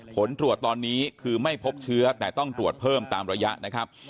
ผลตรวจตอนนี้คือไม่พบเชื้อแต่ต้องตรวจเพิ่มตามระยะนะครับ